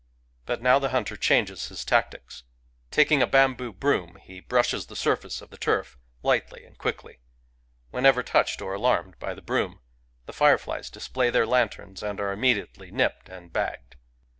But now the hunter changes his tactics. Taking a bamboo broom he brushes the surface of the turf, lightly and quickly. Whenever touched or alarmed by the broom, the fireflies display their lanterns, and are immediately nipped and bagged.